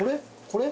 これ？